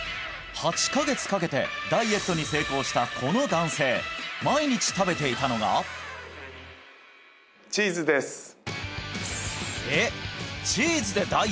８カ月かけてダイエットに成功したこの男性毎日食べていたのがチーズですえっ